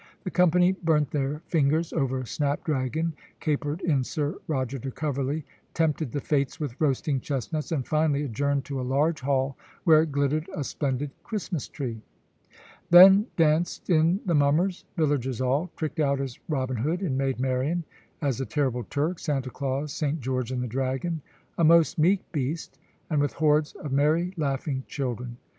The company burnt their fingers over snap dragon, capered in Sir Roger de Coverley, tempted the Fates with roasting chestnuts, and finally adjourned to a large hall, where glittered a splendid Christmas tree. Then danced in the mummers, villagers all, tricked out as Robin Hood and Maid Marian, as the Terrible Turk, Santa Claus, St. George and the Dragon a most meek beast and with hordes of merry, laughing children.